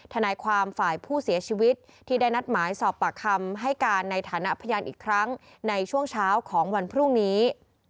ทนายความฝ่ายผู้เสียชีวิตที่ได้นัดหมายสอบปากคำให้การในฐานะพยานอีกครั้งในช่วงเช้าของวันพรุ่งนี้